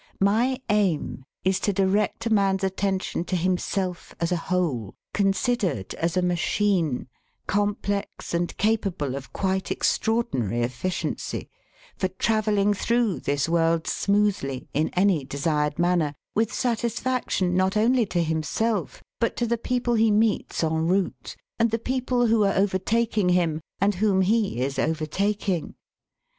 My aim is to direct a man's attention to himself as a whole, considered as a machine, complex and capable of quite extraordinary efficiency, for travelling through this world smoothly, in any desired manner, with satisfaction not only to himself but to the people he meets en route, and the people who are overtaking him and whom he is overtaking.